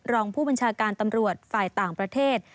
รองผู้บัญชาการตำรวจฝ่ายต่างประเทศ